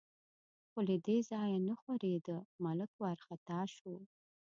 خو له دې ځایه نه ښورېده، ملک وارخطا شو.